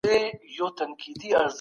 د غریبانو د ستونزو حل اساسي کار دی.